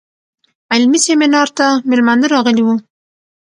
علمي سیمینار ته میلمانه راغلي وو.